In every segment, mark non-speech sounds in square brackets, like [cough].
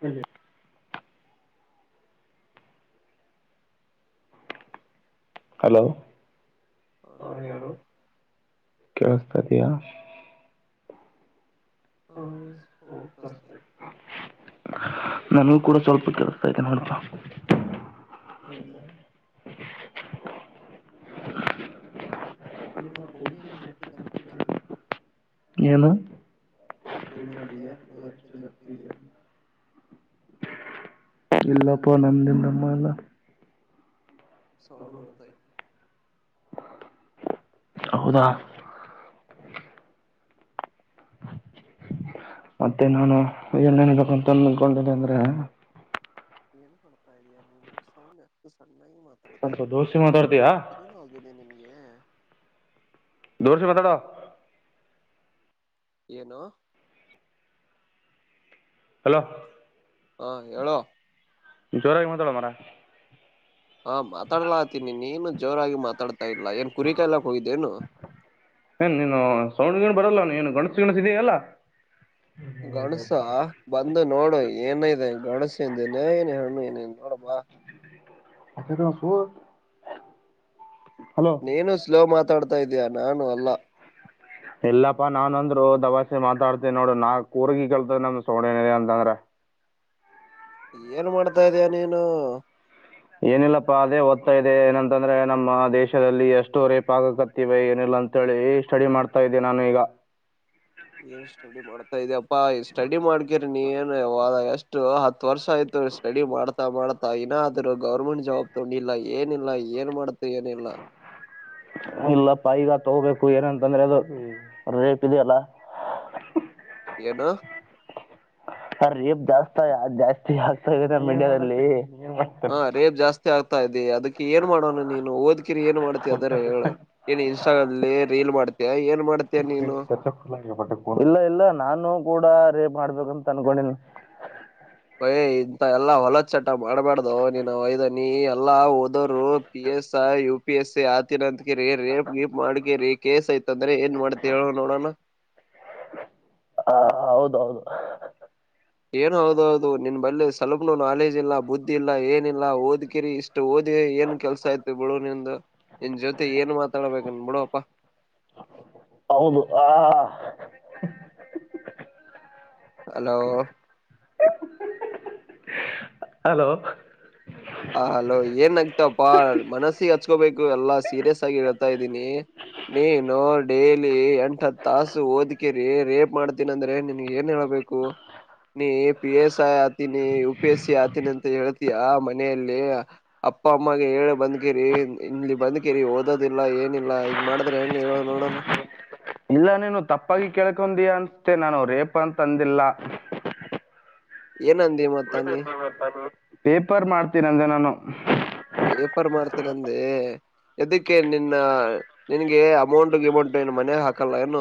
ಹೆ ಹಲೋ ಹಾ ಹೇಳು ಹ ಕೇಳಸ್ತ ಇದಿಯಾ ಹಾ ಹ ಬಸ್ತ ಇ ನನಗೂ ಕೂಡ ಸ್ವಲ್ಪ ಕೆಲಸ್ತಾ ತೆ ನೋಡಾ ಹೌದ ನಿಮ್ಮ ಪುಣ್ಯನ್ನು ಎಕ್ಕ ದಪ್ಪಿಕಲ್ಲ ನು ನಿನ್ನ ಹೃದಯನು ಎಷ್ಟು ದಪ್ಪಿದೆ ಇಲ್ಲಪ್ಪ ನಂದಿಂದಮ್ಮ ಎಲ್ಲ ಸೌಡ ಬರ್ತಾಯ ಹೌದ ಹ ಮತ್ತೆ ನಾನು ಏನ್ನ್ಬೇಕಂತ ಅನ್ಕೊಂಡಿದೆೆ ಅಂದ್ರೆ ಏನ್ ಮಾಡ್ತಾ ಇದೀಯಾ ನೀನು ಸೌನ್ ಚೆನ್ನಾಗಿ ಸ್ವಲ್ಪ ಮಾತಾಡ್ತೀಟಾ ದೋಸ್ತಿ ಮಾತಾಡ್ತೀಯಾ ಏನು ಆದೆ ನಿಮ್ಗೆ ದೂಷ ಬತಾಡಾ ಏನು ಹಲೋ ಹಾ ಹೇಳೋ ಜೋರಾಗಿ ಮಾತಾಡ ಮರ ಹಾ ಮಾತಾಡ್ಲಾತೀನಿ ನೀನು ಜೋರಾಗಿ ಮಾತಾಡ್ತಾ ಇಲ್ಲ ಏನ್ ಕುರಿ ಕಾಯಲಕ್ ಹೋಗಿದ್ದೇನು ಏನ್ ನೀನು ಸೌಂಡ್ ಗಂಡ್ ಬರಲ್ಲವ ಏನು ಗಣಸು ಗಣಸ ಇದಯಲ್ಲಾ ಗಣಸ ಬಂದು ನೋಡು ಏನ ಇದೆ ಗಣಸಿಂದಿನ ಏನ ಹಣ್ಣು ಏನ ನೋಡಂಬ ಅ ತಸು ನೀನು ಸ್ಲೋ ಮಾತಾಡ್ತಾ ಇದೀಯ ನಾನು ಅಲ್ಲ ಇಲ್ಲಪ್ಪಾ ನಾನನ್ ಅಂದ್ರು ದವಾಸಿ ಮಾತಾಡ್ತಿ ನೋಡ ನಾ ಕೂರ್ಗಿ ಕೇಲ್ತದ ನಮ್ದ ಸೋಣನ ಅಂತಂದ್ರ ಏನ್ ಮಾಡ್ತಾ ಇದಯ ನೀನು ಏನಿಲ್ಲಪ್ಪ ಅದ ಓದ್ತಾ ಇದೆ ಏನಂತಂದ್ರೆ ನಮ್ಮ ದೇಶದಲ್ಲಿ ಎಷ್ಟುವರೆ ಪಾಗ ಕತ್ತೆ ಏನಿಲ್ಲ ಅಂತ ಹೇಳಿ ಸ್ಟಡಿ ಮಾಡ್ತಾ ಇದ್ದೆ ನಾನು ಈಗ ಏನ್ ಸ್ಟಡಿ ಮಾಡ್ತಾ ಇದ್ಯಪ್ಪಾ ಈ ಸ್ಟಡಿ ಮಾಡ್ಕಿರಿ ನೀ ಏನು ಎಷ್ಟು ಹತ್ತು ವರ್ಷ ಆಯತು ಸ್ಟಡಿ ಮಾಡ ಮಾಡ್ತಾ ಇನ್ನ ಆದ್ರು ಗೌರ್ಮೆಂಟ್ ಜಾಬ್ ತಗೊಂಡಿಲ್ಲ ಏನಿಲ್ಲ ಏನ್ ಮಾಡ್ತು ಏನಿಲ್ಲ ಇಲ್ಲಪ್ಪ ಈಗ ತಗೋಬೇಕು ಏನಂತಂದ್ರೆ ಅದು ರೇಟ್ ಇ ಅಲ್ಲ ಹ್ಮ್ ಏನ ರೇಪ್ ಜಾಸ್ತ ಜಾಸ್ತಿ ಆಗ್ತ ಇದೆ ನ ಮಂಡ್ಯಲ್ಲಿ ಹಾ ರೇಪ್ ಜಾಸ್ತಿ ಆಗ್ತಾ ಇದೆ ಅದಕ್ಕೆ ಏನ್ ಮಾಡೋಣ ನೀನು ಓದ ಕಿರಿ ಏ ಮಾಡತಿವಿ ಅದ್ರೆ ಏನ್ ಇನ್ಸ್ಟಾಗಲ್ಲಿ ರೀಲ್ ಮಾಡ್ತಾ ಏ ಇಲ್ಲ ಇಲ್ಲ ನಾನು ಕೂಡ ರೇಪ್ ಮಾಡ್ಬೇಕಂತ ಅನ್ಕೊಂಡನ್ ಒಯ್ ಇಂತ ಎಲ್ಲಾ ಹೊಲದ್ ಚಟ ಮಾಡ್ಬಾರಡ್ದು ನೀನು ಒಯ್ದನಿ ಎಲ್ಲಾ ಹಓದೋರು ಪ ಎ ಯು ಪಿ ಎಸ್ ಸಿ ಆತ ಅಂತಕಿರಿ ರೇ ಗಪ್ ಮಾಡ್ಕಿರಿ ಕಸ್ ಯತ ಅಂದ್ರೆ ಏನ್ ಮಾಡ್ತ ನೋಡಿ ಹ ಹ ಹೌದೌದು ಏನ ಹೌದ ಹೌದು ನಿನ್ ಬಲ್ಲಿ ಸವಪ್ಲು ನಾಲೆಜ್ ಇಲ್ಲ ಬುದ್ಧಿ ಇಲ್ಲ ಏನಿಲ್ಲ ಓದ್ಕಿರಿ ಇಷ್ಟು ಓದಿ ಏನ್ ಕೆಲ್ಸ ಆಯತ ಬಿಡು ನಿಮ ನಿನ್ ಜೊತೆ ಏನ್ ಮಾತಾಡ್ಬೇಕನ್ ಬಿಡುಪ್ಪಾ ಹೌದು ಆ ಹಲೋ ಹಲೋ. ಆ ಹಲೋ ಏನ್ ಅಂತಿ ಅಪ್ಪಾ ಮನಸ್ಸಿಗ ಹಚ್ಕೊಬೇಕು ಎಲ್ಲಾ ಸೀರಿಯಸ್ ಆಗಿ ಹೇಳ್ತಾ ಇದ್ದೀನಿ. ನೀನು ಡೇಲಿ ಎಂಟ ಹತ್ ತಾಸು ಓದ್ಕಿರಿ ರೇಪ್ ಮಾಡ್ತೀನ ಅಂದ್ರೆ ನಿನ್ಗೆ ಏನ್ ಹೇಳ್ಬೇಕ. ಬೇಕು ನೀ ಪೀ ಎಸ್ ಆತನಿ ಯು ಪೀ ಎಸ್ ಸಿ ಆತೀನಿ ಅಂತ ಹೇಳ್ತಿ ಆ ಮ ಮನೆಯಲ್ಲಿ ಅಪ್ಪ ಅಮ್ಮಗೆ ಹೇಳಿ ಬಂದಕೇರಿ ಇಲ್ಲಿ ಬಂದ್ಕೇರಿ ಓದೋದಿಲ್ಲ ಏನಿಲ್ಲ. ಹಿಂಗ ಮಾಡಿದ್ರೆ ಹೆಂಗ ಹೇಳ ನೋಡೋಣ. [inaudible] ಇಲ್ಲ ನೀನು ತಪ್ಪಾಗಿ ಕೇಳ್ಕೊಂಡಯ ಅನ್ಸ್ತೆ ನಾನು ರೇಪ ಅಂತ ಅಂದಿಲ್ಲ. ಏನ ಅಂದಿ ಮತ್ತ ನೀ. ಪೇಪರ್ ಮಾರತೇನಿ ಅಂದೆ ನಾನು. ಪೇಪರ್ ಮಾರತಿನ ಅಂದೇ ಏದದಕ್ಕೆ ನಿನ್ನ ನಿನ್ಗೆ ಅಮೌಂಟ್ ಗಿಮೌಂಟ್ ಏನು ಮನ್ಯಾಗ ಹಾಕಲ್ಲ ಏನು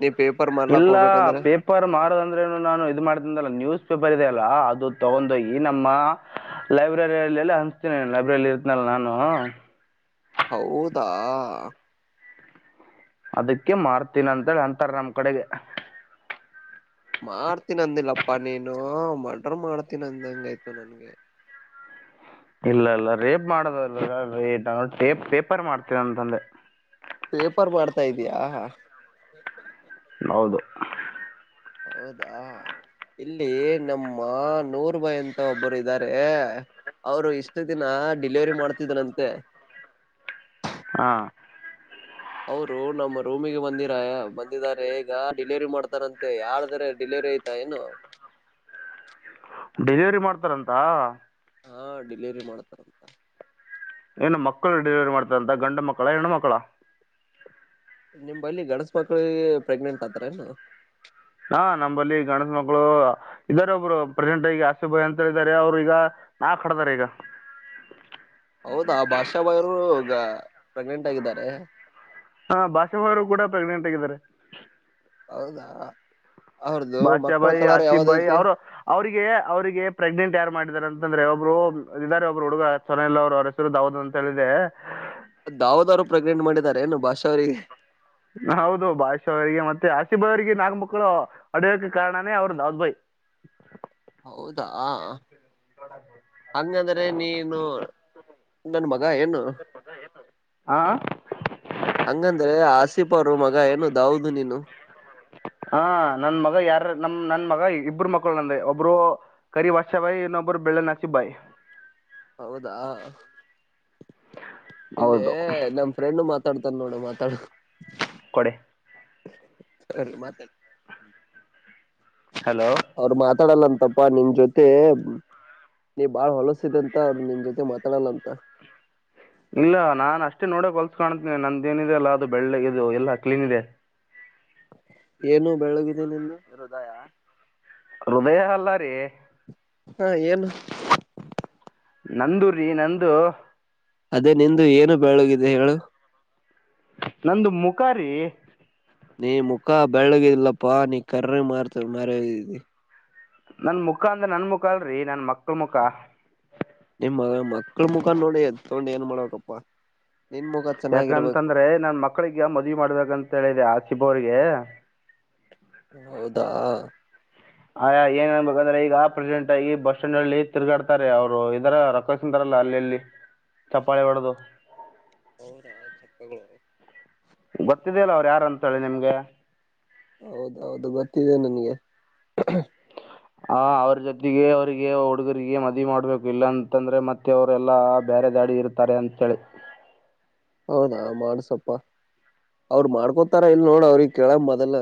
ನೀ. ಪೇಪರ್ ಮಾಡ್ಲಾಕ್ ಇಲ್ಲ ಹೋಗ್ಬೇಕಂದ್ರೆ ಪೇಪರ್ ಮಾರದ ಅಂದ್ರೆನು ನಾನು ಇ ಮಾಡ್ತಿಂದಲ್ಲ ನ್ಯೂಸ್ ಪೇಪರ್ ಇದೆ. ಲಾ ಅದು ತಗೊಂಡೋಗ ಈ ನಮ್ಮ. ಲೈಬ್ರರಿಯಲ್ಲ ಎಲ್ಲ ಹಂಚತಿನಿ ಲೈಬ್ರರಿ ಅಲ್ಲಿ ಇರ್ತೀನಿ ಅಲ್ಲ ನಾನು. ಹೌದಾ. ಅದಕ್ಕೆ ಮಾರ್ತೀನ ಅಂತಳ ಅಂತಾರ ನಮ್ ಕಡೆಗೆ. ಮಾಡ್ತೀನಿ ಅಂದಿಲ್ಲಪ್ಪಾ ನೀನು ಮರ್ಡರ್ ಮಾಡ್ತೀನ ಅಂದಗ ಆಯ್ತು ನನ್ಗೆ. [unintelligible] ಇಲ್ಲ ಇಲ್ಲ ರೇಪ್ ಮಾಡುದ [unintelligible] ಅಲ್ಲರಿ ನಾವುಪೇ ಪೇಪರ್ ಮಾಡ್ತೀವ ಅಂತ ಅಂದೆ. ಪೇಪರ್ ಮಾಡ್ತಾ ಇದಯಾ. ಹೌದು. ಹೌದಾ. ಇಲ್ಲಿ ನಮ್ಮ ನೂರ್ ಬಾಯ್ ಅಂತ ಒಬ್ಬರು ಇದ್ದಾರೆ. ಅವರು ಇಷ್ಟು ದಿನ ಡಿಲಿವರಿ ಮಾಡ್ತಿದರಂತೆ. ಹಾ. ಅವರು ನಮ್ಮ ರೂಮಿಗೆ ಬಂದಿರ ಬಂದಿದಿದ್ದಾರೆ ಈಗ ಡಿಲವರಿ ಮಾಡ್ತಾರಂತೆ ಯಾರ್ದ ಅರೆ ಡೆಲ್ಲಿ ವರಿ ಐತ ಏನು. ಡೆಲಿವರಿ ಮಾಡ್ತಾರಂತ. ಹಾ ಡೆಲಿವರಿ ಮಾಡ್ತಾರಂತ. ಏನ ಮಕ್ಕಳ ಡಿಲಿವರಿ ಮಾಡ್ತಾರಂತ ಗಂಡ ಮಕ್ಕಳ ಹೆಣ್ಣು ಮಕ್ಕಳ. ನಿಮ್ ಬಲಿ ಗಣಸ ಮಕ್ಳಿಗೆ ಪ್ರೆಗ್ನೆಂಟ್ ಆತಾರ ಏನು. ಹಾ ನಂಬಲ್ಲಿ ಗಣಸ ಮಕ್ಳು ಇದಾರೆ ಒಬ್ರು ಪ್ರೆಸೆಂಟ್ಗಿ ಆಶಿಫ್ ಬಾಯ್ ಅಂತ ಇದಾರೆ ಅವ್ರು ಈಗ ನಾಕ್ಕ ಹಾಡದರ ಈಗ. ಹೌದಾ ಬಾಷಾ ಬಾಯ್ ರು ಪ್ರೆಗ್ನೆಂಟ್ ಆಗಿದ್ದಾರೆ. ಹಾ ಬಾಷ ಬಾಯ್ ರು ಕೂಡ ಪ್ರೆಗ್ನೆಂಟ್ ಆಗಿದ್ದಾರೆ. ಹೌದಾ. ಅವ್ರದು ಬಾಷ ಮಕ್ಕಳ ಬಾಯ್ ಕಲರ್ ಆಸಿಫ್ ಬಾಯ್ ಯಾವ್ದೈತಿ ಅವರು ಅವ್ರರಿಗೆ ಅವ್ರಿಗೆ ಪ್ರೆಗ್ನೆಂಟ್ ಯಾರು ಮಾಡ ಇದರ ಅಂತಂದ್ರೆ ಒಬ್ರು ಇದ್ದಾರೆ ಒಬ್ಬರು ಹುಡುಗ [unintelligible] ಅವರು ಅವ್ರ ಹೆಸರು ದಾವದ್ ಅಂತ ಹೇಳಿ ಇದೆ. ದಾವದ ಅವರು ಪ್ರೆಗ್ನೆಂಟ್ ಮಾಡಿದಿದ್ದಾರೆ ಏನು ಭಾಷೆ ಅವರಿಗೆ. ಹೌದು ಬಾಷಾ ಅವರಿಗೆ ಮತ್ತೆ ಅಶ್ಯಿಫ್ ಬಾಯ್ ಅವರಿಗೆ ನಾಲ್ಕು ಮಕ್ಕಳು ಹಡಿಯೋಕ್ಕೆ ಕಾರಣನೇ ಅವ್ರ ದಾವ್ ಬಾಯ್. [inaudible] ಹೌದಾ ಹಂಗಂದ್ರೆ ನೀನು. ನನ್ ಮಗ ಏನು. ಆ. ಹಂಗಂದ್ರೆ ಆಸಿಫ ಅವರು ಮಗ ಏನು ದಾವದು ನೀನು. ಹಾ ನನ್ ಮಗ ಯಾರ. ನಮ್ ನನ್ ಮಗ ಇಬ್ಬರು ಮಕ್ಕಳು ನಂದ ಒಬ್ರು ಕರಿ ವಷ ಬಾಯಿ ಇನ್ನೊಬ್ರು ಬೆಳ್ಳೆನ ಆಶಿಫ್ ಬಾಯ್. [inaudible] ಹೌದಾ ಇಲ್ಲೇ ಹೌದು ನಮ್ ಫ್ರೆಂಡ್ ಮ ಮಾತಾಡ್ತಾನ ನೋಡ ಮಾತಾಡ್ ಕೊಡಿ ಸರಿ ಮಾತಾಡಿ ಹಲೋ ಮಾತಾಡಲ್ಲಂತಪ್ಪ ನಿನ್ ಜೊತೆ ನೀ ಬಾಳ್ ಹೊಲಸಿದೆ ಅಂತ ಅವ್ರು ನಿನ್ ಜೊತೆ ಮಾತಾಡಲ್ಲ ಅಂತ ಇಲ್ಲ ನಾನ್ ಅಷ್ಟೇ ನೋಡ ಹೊಲ್ಸ ಕಾಣತೀನಿ ನಂದೇನಿದೆ ಅಲ್ಲ ಅದು ಬೆಳ್ಗ್ ಇದು ಎಲ್ಲಾ ಕ್ಲೀನ್ ಇದೆ ಏನು ಬೆಳ್ಗಿದೆ ನಿಂದು ಹೃದಯ ಹೃದಯ ಅಲ್ಲಾರೀ ಹಾ ಏನು ನಂದು ರಿ ನಂದು ಅದೇ ನಿಂದು ಏನು ಬೆಳ್ಗಿದೆ ಹೇಳು ನಂದು ಮುಖಾ ರಿ ನೀ ಮುಖ ಬೆಳ್ಗಿಲ್ಲಪ್ಪಾ ನೀ ಕರ್ರ ಮಾರ್ತ ಮರಿ ನನ್ ಮುಖ ಅಂದ್ರ ನನ್ ಮುಖ ಅಲ್ರಿ ನನ್ ಮಕ್ಲ್ ಮುಖ ನಿಮ್ಮ ಮಕ್ಲ್ ಮುಖಾನ್ ನೋಡಿ ತಗೊಂಡು ಏನ್ ಮಾಡ್ಬೇಕಪ್ಪ ಯಾಕಂತಂದ್ರೆ ನನ್ ಮಕ್ಳಿಗೆ ಮದ್ವಿ ಮಾಡ್ಬೇಕಂತ ಹೇಳಿದೆ ಆ ಸಿಬ್ಬವಿಗೆ ಹೌದಾ ಆಯ ಏನ್ನ್ಬೇಕಂದ್ರೆ ಈಗ ಆ ಪ್ರೆಸಿಡೆಂಟ್ ಆಗಿ ಬಸ್ ಸ್ಟ್ಯಾಂಡ್ ಅಲ್ಲಿ ತಿರುಗಾಡ್ತಾರೆ ಅವ್ರು ಇದರ [unintelligible] ರೊತಿಂದ ಅಲ್ಲಿಲ್ಲಿ ಚಪ್ಪಾಳೆ ಹೊಡ್ದು ಹೌದ ಚಕ್ಕಗಳು ಗೊತ್ತಿದೆ ಅಲ್ಲ ಅವ್ರು ಯಾರಂತ ಹೇಳಿ ನಿಮ್ಗೆ ಹೌದೌದು ಗೊತ್ತಿದೆ ನನ್ಗೆ ಹ ಅವ್ರ ಜೊತೆಗೆ ಅವ್ರಿಗೆ ಹುಡುಗರಿಗೆ ಮದುವಿ ಮಾಡ್ಬೇಕು ಇಲ್ಲಾ ಅಂತಂದ್ರೆ ಮತ್ತೆ ಅವ್ರಲ್ಲಾ ಬರೆದಾರಿ ಇರ್ತಾರೆ ಅಂತೇಳಿ ಹೌದಾ ಮಾಡಸಪ್ಪ ಅವ್ರ ಮಾಡ್ಕೊತಾರ ಇಲ್ ನೋಡ ಅವ್ರಿಗ್ ಕೇಳ ಮೊದಲ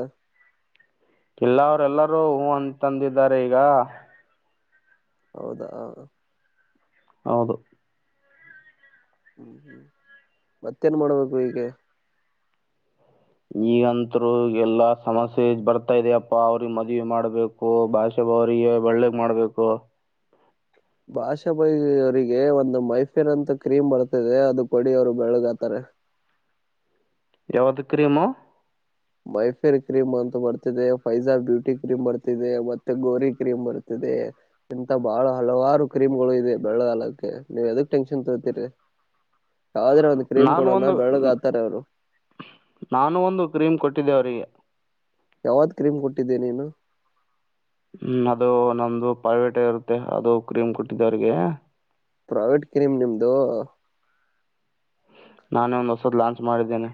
ಇಲ್ಲಅವ್ರ ಎಲ್ಲರೂ ಹೂ ಅಂತಂದಿದ್ದಾರೆ ಈಗ ಹೌದಾ ಹ ಹೌದು ಹ್ಮ್ ಹ್ಮ್ ಮತ್ತೇನ್ ಮಾಡ್ಬೇಕು ಈಗೆ ಈಗಂತರು ಎಲ್ಲಾ ಸಮಸ್ಯೆ ಬರ್ತಾಇದೆಪ್ಪಾ ಅವ್ರಿಗೆ ಮದ್ವಿ ಮಾಡ್ಬೇಕು ಭಾಷೆ ಅವ್ರಿಗೆ ಒಳ್ಳಗ್ ಮಾಡ್ಬೇಕು ಭಾಷಾಬೈ ಅವರಿಗೆ ಒಂದು ಮೈಫೇರ್ ಅಂತ ಕ್ರೀಮ್ ಬರ್ತದೆ ಅದು ಕೊಡಿ ಅವ್ರು ಬೆಳ್ಗತಾರೆ [unintelligible] ಯಾವದು ಕ್ರೀಮು ಮೈಫೇರ್ ಕ್ರೀಮ್ ಅಂತ ಬರ್ತಿದೆ ಫೈಜಾ ಬ್ಯೂಟಿ ಕ್ರೀಮ್ ಬರ್ತಿದೆ ಮತ್ತೆ ಗೋರಿ ಕ್ರೀಮ್ ಬರ್ತಿದೆ ಇ ಇಂತ ಬಹಳ ಹಲವಾರು ಕ್ರೀಮ್ಗಳು ಇದೆ ಬೆಳ್ಗಗಕ್ಕೆ ನೀವ್ ಎದಕ್ ಟೆನ್ಷನ್ ತರ್ತೀರಿ ಆದ್ರೆ ಒಂದ್ ಕ್ರೀಮ್ ನಾನು ಕೊಡೋಣ ಒಂದು ಬೆಳ್ಗ್ ಆತಾರೆ ಅವ್ರು ನಾನು ಒಂದು ಕ್ರೀಮ್ ಕೊಟ್ಟಿದ್ದೆ ಅವ್ರಿಗೆ ಯಾವಾತ್ ಕ್ರೀಮ್ ಕೊಟ್ಟಿದ್ದೆ ನೀನು ಹ್ಮ್ ಅದು ನಮ್ದ ಪ್ರೈವೇಟ ಇರುತ್ತೆ ಅದು ಕ್ರೀಮ್ ಕೊಟ್ಟಿದ್ದವ್ರಿಗೆ ಪ್ರಾವೇಟ್ ಕ್ರೀಮ್ ನಿಮ್ದು ನಾನೇ ಒಂದ್ ಹೊಸದ್ ಲಾಂಚ್ ಮಾಡಿದ್ದೇನೆ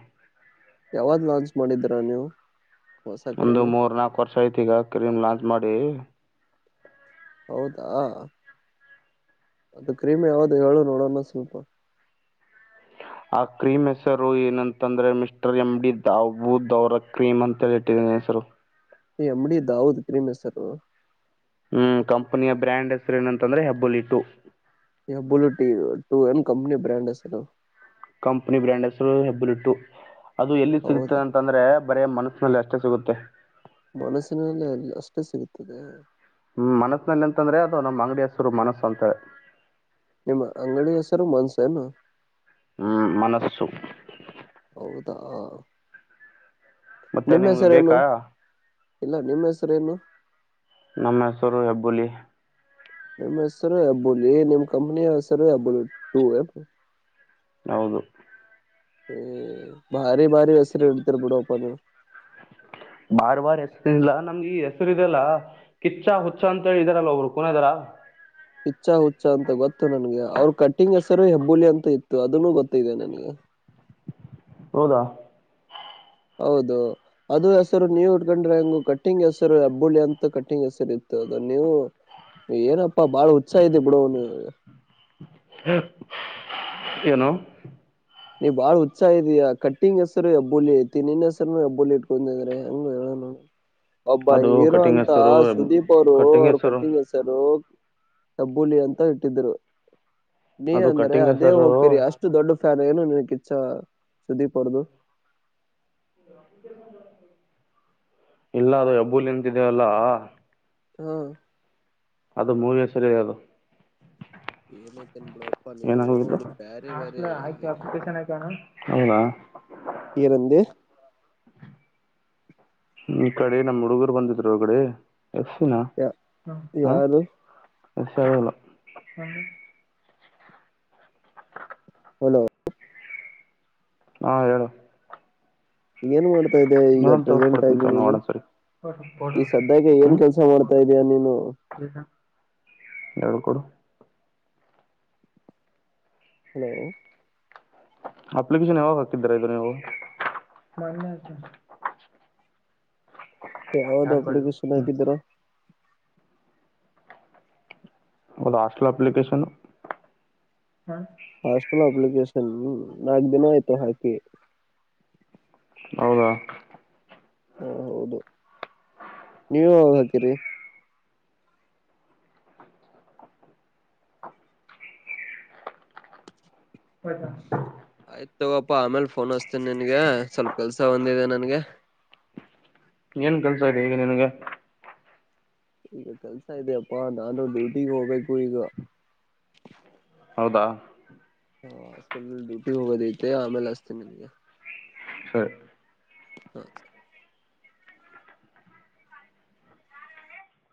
ಯಾವಾಗ ಲಾಂಚ್ ಮಾಡಿದ್ದೀರಾ ನೀವು ಹೊಸ ಒಂದು ಕ್ರೀಮು ಮೂರ್ ನಾಲ್ಕು ವರ್ಷ ಐತ್ ಈಗ ಕ್ರೀಮ್ ಲಾಂಚ್ ಮಾಡಿ ಹೌದಾ ಅದು ಕ್ರೀಮ್ ಯಾವದು ಹೇಳು ನೋಡೋಣ ಸ್ವಲ್ಪ ಆ ಕ್ರೀಮ್ ಹೆಸರು ಏನಂತಂದ್ರೆ ಮಿಸ್ಟರ್ ಎಮ್ ಡಿ ದವು ದವ ಅವರ ಕ್ರೀಮ್ ಅಂತ ಹೇಳಿಟ್ಟಿದಿ ಹೆಸರು ತ್ತು ಅಂಬಡಿ ದಾವದ ಕ್ರೀಮೆ ಸರ್ ಹ್ಮ್ ಕಂಪನಿಯ ಬ್ರ್ಯಾಂಡ್ ಹೆಸರು ಏನಂತಂದ್ರೆ ಹೆಬ್ಬಲಿ ಇಟ್ಟು ಯ ಬುಲೂಟ ು ಎಮ ಕಂಪನ ಬ್ರ್ಯಾಂಡ ಅ ಕಂಪನಿ ಬ್ರ್ಯಾಂಡ್ ಹೆಸರು ಹೆಬ್ಬಲಿ ಇಟ್ಟು ಅದು ಎಲ್ಲಿ ಸಿಗ್ತದೆ ಹೌದಾ ಅಂತಂದ್ರೆ ಬರ ಮನಸ್ಸನಲ್ಲಿ ಅಷ್ಟ ಮತ್ತ ಸಿಗುತ್ತೆ ಮನಸ್ಸಿನಲ್ಲಲ್ಲ ಅಷ್ಟೇ ಸಿಗುತ್ತದೆ ಹ್ಮ್ ಮನಸ್ಸನಲ್ಲಿ ಎಂತಂದ್ರೆ ಅದು ನಮ್ಮ್ ಅಂಗಡಿ ಹಸುರು ಮನಸ್ಸ ಅಂತ ನಿಮ್ಮ ಅಂಗಡಿ ಹೆಸರು ಮನ್ಸ ಏನು ಹ್ಮ್ ಮನಸ್ಸು ಅ ಮತ್ತೆ ನಿಮ್ಗೆ ಬೇಕಾ ಇಲ್ಲ ನಿಮ್ಮ್ ಹೆಸರು ಏನು ನಮ್ಮ ಹೆಸರು ಹೆಬ್ಬುಳ್ಳ ನ ಸ ಬ ಕಂಪನ ಆ ಸ ಬು ಹೌದು ಹ ಭಾರಿ ಭಾರಿ ವಸರ ಎಡ್ತಾರೆ ಬಿಡಪ್ಪ ನೀ ಬಾರ್ ಬಾರ್ ಹೆಸರು ಇಲ್ಲ ನಮ್ಗೆ ಈ ಹೆಸರು ಇದೆಲ್ಲ ಕಿಚ್ಚ ಹುಚ್ಚ ಅಂತ ಹೇಳಿದಾರಲ್ಲ ಒಬ್ರು ಕುನದಾರ ಹ ಇಚ್ಚ್ಚಾ ಹುಚ್ಚ ಅಂತ ಗೊತ್ತು ನನ್ಗೆ ಅವ್ರ ಕಟ್ಟಿಂಗ್ ಹೆಸರು ಹೆಬ್ಬುಳ್ಳಿ ಅಂತ ಇತ್ತು ಅದನ್ನು ಗೊತ್ತಿದೆ ನನಗೆ ಹ ಹೌದಾ ಹೌದು ಅದು ಹೆಸರು ನೀವ್ ಉಟ್ಕೊಂಡ್ರೆ ಹೆಂಗ ಕಟ್ಟಿಂಗ್ ಹೆಸರು ಹಬ್ಬುಳ್ಳಿ ಅಂತ ಕಟ್ಟಿಂಗ್ ಹೆಸರು ಇ ಅ ನೀವು ಏನಪ್ಪಾ ಬಾಳ ಉತ್ಸಾ ಇದೆ ಬಿಡನು ಏನುೋ ನೀ್ ಬಾಳ ಉತ್ಸಾ ಇದೀಾ ಕಟ್ಟಿಂಗ್ ಹೆಸರು ಹಬ್ಬುಲಿಿ ಐತಿ ನಿನ್ ಹೆಸರುನು ಹೆಬ್ಬುಲಿ ಇಟ್ಕೊಂಡಿದ್ರೆ ಹಂಗ ಹೇಳ ಹ್ಮ ಒಬ್ಬ ಅದು ಹೀರೋ ಕಟಿಂಗ್ ಅಂತ ಹೆಸರು ಸುದೀಪ್ ಅವರು ಕಟಿಂಗ್ ಅವರು ಹೆಸರು ಕಟ್ಟಿಂಗ ಹೆಸರು ಅಬ್ಬೂಲಿ ಅಂತ ಇಟ್ಟಿದ್ದರು ನೀ ಅದು ಅಂದ್ರೆ ಕಟಿಂಗ್ ಅದೇ ಹೆಸರು ಹೋಗ್ತಿರಿ ಅಷ್ಟು ದೊಡ್ಡ ಫ್ಯಾನ್ ಎನು ಕ ಇಚ್ಚ್ಚಾ ಸುುದಿ ಪಡ್ದುು ಇಲ್ಲ ಅದು ಯಬೂಲಿ ಎಂತಿದ್ದೇವಲ್ಲಾ ಹಾ ಅದು ಮೂವೇ ಸರಿ ಅದು ಏನೈತನ್ ಬಿಡಪ್ಪಾ ನೀನು ಏನಾಗುಣ ನೀ ಬ್ಯಾರೆ ಬ್ಯಾರೆ ಹೌದಾ ಇರಂದ ಈ ಕಡೆ ನಮ್ಮ್ ಹುಡುಗರು ಬಂದಿದ್ರು ಒಗಡೆ ಎಸಿನ ಹ ಯಾರು ಎಸಿ ಅಲ್ಲ ಹಲೋ ಹಾ ಹೇಳು ಏನ್ ಮಾಡ್ತಾ ಇದೆ ಈಗ ನೋಡಮ್ ಪ್ರೆಸೆಂಟ್ ತೋರಿಸ್ಕೊಡ್ತೀನಿ ಆಗಿ ತಗೋ ನೀನು ನೋಡೋಣ ಸರಿ ಈ ಸದ್ಯಾಗ ಏನ್ ಹ್ಮ್ ಕೆಲ್ಸ ಮಾಡ್ತಾ ಇದಯ ನೀನು ಯಳ್ ಕೊಡು ಹಲೋ ಅಪ್ಲಿಕೇಶನ್ ಯಾವಾಗ ಹಾಕ್ತಿದಿದ್ದಾರೆ ಇದ ಹ ಯಾವದು ಅಳ ಸನಗಿದ್ದರ ಒೌದ ಹಾಸ್ಟಲ್ ಅಪ್ಲಿಕೇಶನ್ ಹ ಅಪ್ಲಿಕೇಶನ್್ಮ ನಾ ದಿನ ಆಯ್ತು ಹಾಕಿ ಹೌದಾ ಹ ಹೌದು ನೀವ ಹ ಹಾಕರಿ ಹದಾ ಆಯ್ತು ತಗೋಪ್ಪಾ ಆಮೇಲ್ ಫೋನ್ ಹಸ್ತೇನಿ ನಿನ್ಗೆ ಸ್ವಲ್ಪ ಕೆಲ್ಸ ಒಂದಿದೆ ನನ್ಗೆ ಹ [unintelligible] ಏನ್ ಕಲ್ಸ ಇದೆ ಈಗ ನಿನಗೆ ಈಗ ಕೆಲ್ಸ ಇದಪ್ಪಾ ನಾನು ಡ್ಯೂಟಿಿಗೆ ಹೋಗ್ಬೇಕು ಈಗ ಹೌದಾ ಹಾ ಫುಲ್ ಡ್ಯೂಟಿ ಹೋಗೋದ ಐತೆ ಆಮೇಲೆ ಅಷ್ಟತೇ ನಿನ್ಗೆ ಸರಿ ಹ್ಮ